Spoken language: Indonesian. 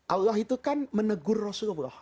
allah itu kan menegur rasulullah